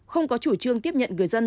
không có chủ trương tiếp nhận người dân